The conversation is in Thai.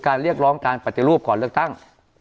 เรียกร้องการปฏิรูปก่อนเลือกตั้ง